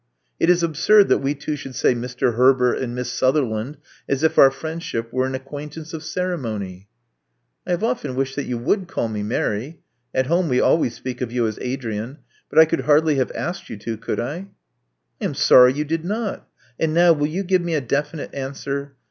It is absurd that we two should say *Mr. Herbert' and *Miss Sutherland', as if our friendship were an acquaintance of ceremony." I have often wished that you would call me Mary. At home we always speak of you as Adrian. But I could hardly have asked you to, could I?" I am sorry you did not. And now, will you give me a definite answer?